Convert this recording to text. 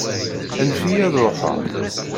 Anef-iyi ad ṛuḥeɣ.